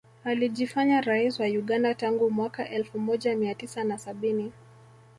Alijifanya rais wa Uganda tangu mwaka elfu moja mia tisa na sabini